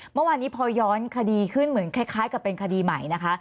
เมื่อวานนี้พอย้อนคดีขึ้นเหมือนคล้ายกับเป็นคดีใหม่นะคะ